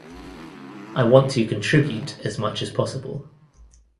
I want to contribute as much as possible.